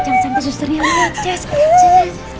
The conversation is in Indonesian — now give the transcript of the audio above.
jangan sampai susternya melihat